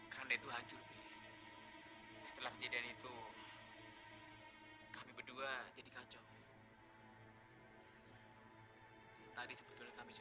ketika kita berdua kita tidak bisa menemukan keti